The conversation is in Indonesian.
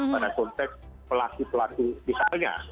pada konteks pelaku pelaku misalnya